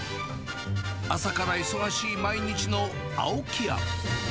朝から忙しい毎日の青木屋。